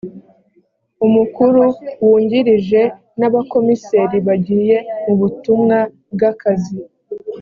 umukuru wungirije n’abakomiseri bagiye mu butumwa bw’akazi